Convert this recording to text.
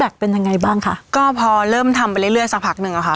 แล้วเป็นยังไงบ้างค่ะก็พอเริ่มทำไปเรื่อยเรื่อยสักพักหนึ่งค่ะ